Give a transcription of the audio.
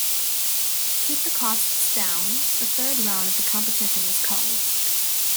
To keep the costs down, the third round of the competition was culled.